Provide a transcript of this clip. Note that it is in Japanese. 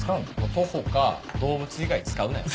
徒歩か動物以外使うなよ。